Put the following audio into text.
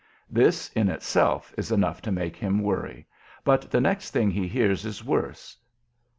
This, in itself, is enough to make him worry, but the next thing he hears is worse.